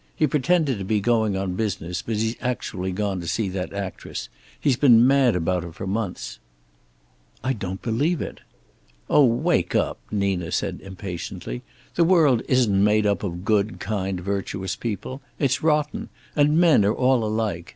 He pretended to be going on business, but he's actually gone to see that actress. He's been mad about her for months." "I don't believe it." "Oh, wake up," Nina said impatiently. "The world isn't made up of good, kind, virtuous people. It's rotten. And men are all alike.